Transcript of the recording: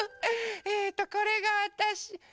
えっとこれがわたし。